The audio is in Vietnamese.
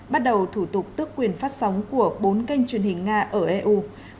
bắt đầu thủ tục tức quyền phát sóng của bốn kênh truyền hình nga ở eu